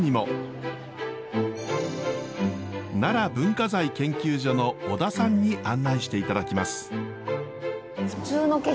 奈良文化財研究所の小田さんに案内していただきます。